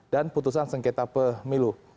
dan putusan sengketa pemilu